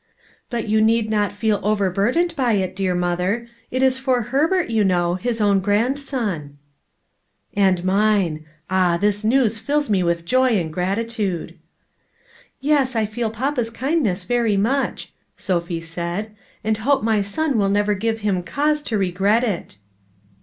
"But you need not feel overburdened by it, dear mother. It is for Herbert, you know, his own grand son." "And mine! Ah, this news fills me with joy and gratitude." "Yes, I feel papa's kindness very much," Sophie said, "and hope my son will never give him cause to regret it."